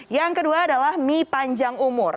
yang kedua adalah mie panjang umur